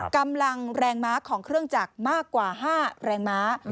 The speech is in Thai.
กำลังแรงม้าของเครื่องจักรมากกว่า๕แรงม้า